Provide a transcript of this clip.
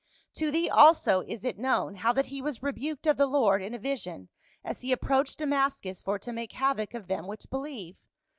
To thee also is it known how that he was rebuked of the Lord in a vision as he approached Damascus for to make havoc of them which believe.